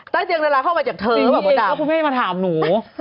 พี่เซนก็พูดให้ถามหนู